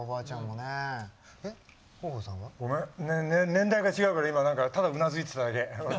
年代が違うから今何かただうなずいてただけ。